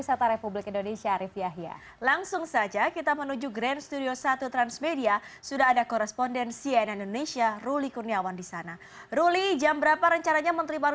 setelah pertemuan ini digelar